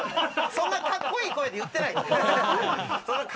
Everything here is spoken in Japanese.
そんな格好いい声で言ってない。